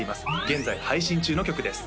現在配信中の曲です